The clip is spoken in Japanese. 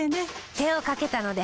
手をかけたので。